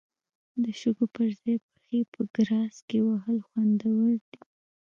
د شګو پر ځای پښې په ګراس کې وهل خوندور دي.